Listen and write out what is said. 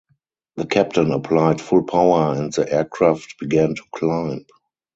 The captain applied full power and the aircraft began to climb.